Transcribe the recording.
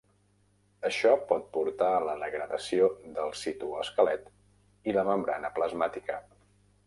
Això pot portar a la degradació del citoesquelet i la membrana plasmàtica.